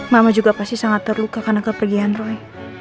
mama juga pasti sangat terluka karena kepergian roy